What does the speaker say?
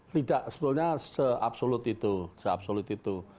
tidak sebenarnya se absolute itu